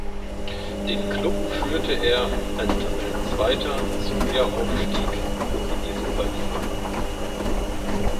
Den Klub führte er als Tabellenzweiter zum Wiederaufstieg in die Superliga.